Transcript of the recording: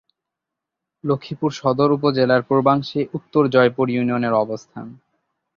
লক্ষ্মীপুর সদর উপজেলার পূর্বাংশে উত্তর জয়পুর ইউনিয়নের অবস্থান।